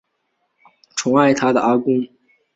宠爱她的阿公